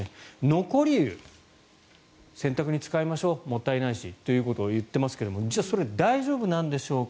残り湯、洗濯に使いましょうもったいないしということを言っていますけどそれは大丈夫なんでしょうか。